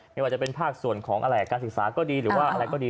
ไม่ว่าจะเป็นภาคส่วนของอะไรการศึกษาก็ดีหรือว่าอะไรก็ดี